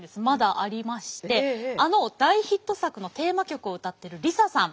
あの大ヒット作のテーマ曲を歌ってるＬｉＳＡさん